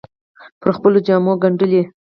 پر خپلو جامو ګنډلې